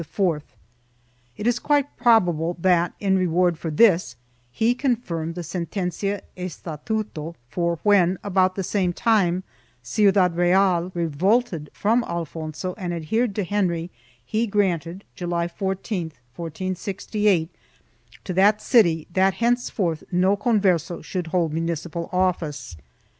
1 It is quite probable that, in reward for this, he confirmed the Sen tencia Estatuto for when, about the same time, Ciudad Real revolted from Alfonso and adhered to Henry, he granted, July 14, 1468, to that city that thenceforward no Converse should hold municipal office.